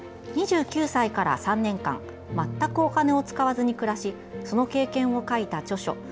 ２９歳から３年間全くお金を使わずに暮らしその経験を書いた著書